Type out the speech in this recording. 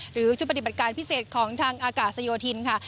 หรือชุดปฏิบัติการพิเศษของทางอากาศโยธินค่ะ